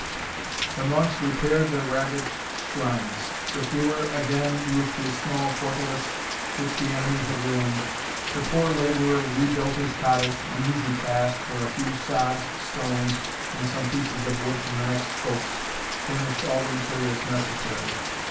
The monks repaired their ravaged shrines the feuar again roofed his small fortalice which the enemy had ruined the poor labourer rebuilt his cottage an easy task, where a few sods, stones, and some pieces of wood from the next copse, furnished all the materials necessary.